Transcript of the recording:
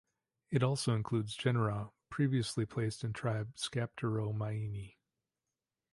It also includes genera previously placed in tribe Scapteromyini.